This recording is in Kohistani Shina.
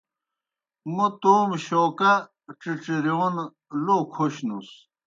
مو تومیْ شوکا ڇِڇرِیون لو کھوشنُس۔